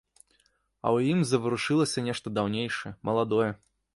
А ў ім заварушылася нешта даўнейшае, маладое.